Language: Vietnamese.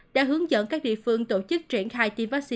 đã hướng dẫn các địa phương tổ chức triển khai tiêm vaccine